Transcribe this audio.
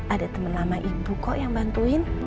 ada teman lama ibu kok yang bantuin